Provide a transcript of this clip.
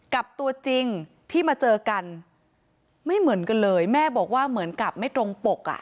กับตัวจริงที่มาเจอกันไม่เหมือนกันเลยแม่บอกว่าเหมือนกับไม่ตรงปกอ่ะ